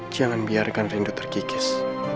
jangan biarkan rindu terkikis